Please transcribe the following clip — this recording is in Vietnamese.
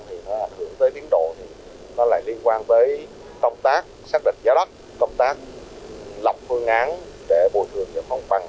thì nó ảnh hưởng tới tiến độ thì nó lại liên quan tới công tác xác định giá đất công tác lập phương án để bồi thường giải phóng mặt bằng